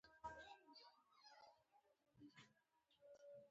د بالیووډ فلمونه د خلکو احساس ښيي.